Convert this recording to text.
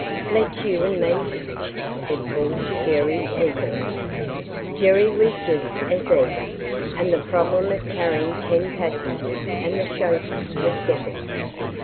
"Let's you and me hitch," said Paul to Jerry, eagerly. Jerry was just as eager, and the problem of carrying ten passengers and the chauffeur was settled.